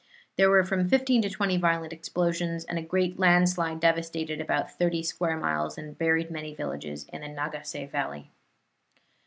There were from fifteen to twenty violent explosions, and a great landslide devastated about thirty square miles and buried many villages in the Nagase Valley.